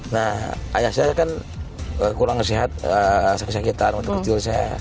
nah ayah saya kan kurang sehat sakit sakitan untuk kecil saya